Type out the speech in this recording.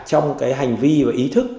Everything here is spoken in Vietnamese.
trong cái hành vi và ý thức